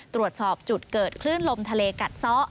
ตรวจสอบจุดเกิดคลื่นลมทะเลกัดซ้อ